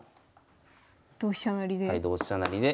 同飛車成で。